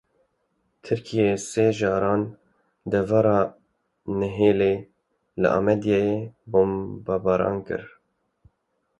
Tirkiyeyê sê caran devera Nihêlê li Amêdiyê bombebaran kir.